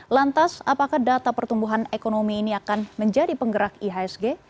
lantas apakah data pertumbuhan ekonomi ini akan menjadi penggerak ihsg